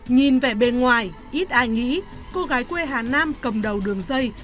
nhìn về bên ngoài ít ai nghĩ cô gái quê hà nam cầm đầu đường dây